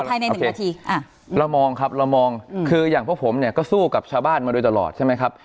ค่ะเรามองครับคืออย่างพวกผมก็สู้กับชาวบ้านมาโดยตลอดใช่ไหมครับ